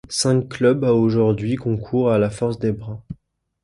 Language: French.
Cinq club à aujourd'hui concourent à la force des bras.